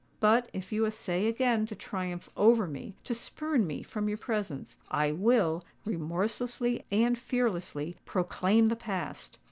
But, if you essay again to triumph over me—to spurn me from your presence—I will, remorselessly and fearlessly, proclaim the past."